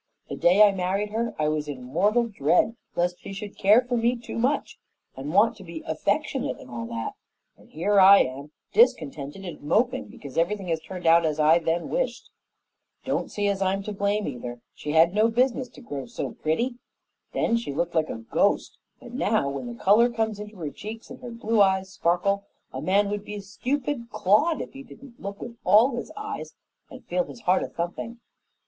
The day I married her I was in mortal dread lest she should care for me too much and want to be affectionate and all that; and here I am, discontented and moping because everything has turned out as I then wished. Don't see as I'm to blame, either. She had no business to grow so pretty. Then she looked like a ghost, but now when the color comes into her cheeks, and her blue eyes sparkle, a man would be a stupid clod if he didn't look with all his eyes and feel his heart a thumping.